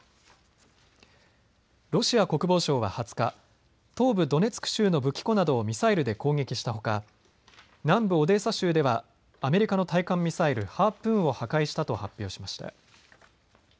ロシア国防省は２０日、東部ドネツク州の武器庫などをミサイルで攻撃したほか南部オデーサ州ではアメリカの対艦ミサイル、ハープーンを破壊したと発表しました。